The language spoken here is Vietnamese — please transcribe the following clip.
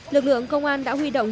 lực lượng công an đã huy động